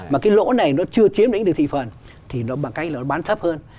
mà cái lỗ này nó chưa chiếm lĩnh được thị phần thì nó bằng cách là nó bán thấp hơn